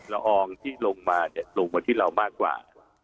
ละอองที่ลงมาลงมาที่เรามากกว่า